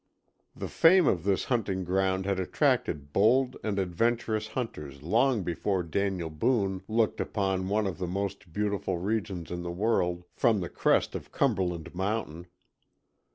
The fame of this hunting ground had attracted bold and adventurous hunters long before Daniel Boone looked upon one of the most beautiful regions in the world from the crest of Cumberland Mountain.